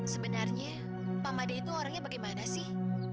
sebenarnya pak made itu orangnya bagaimana sih